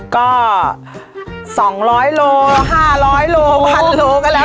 ก็๒๐๐โล๕๐๐โล๑๐๐โลก็แล้ว